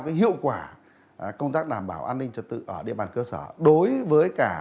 cái hiệu quả công tác đảm bảo an ninh trật tự ở địa bàn cơ sở đối với cả